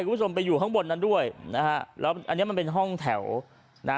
คุณผู้ชมไปอยู่ข้างบนนั้นด้วยนะฮะแล้วอันเนี้ยมันเป็นห้องแถวนะฮะ